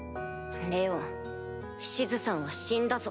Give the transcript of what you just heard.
レオンシズさんは死んだぞ。